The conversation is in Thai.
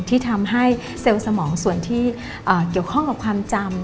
ที่ทำให้เซลล์สมองส่วนที่เกี่ยวข้องกับความจำ